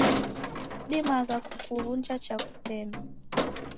Sidimagha kukuw'unja chaghu sena.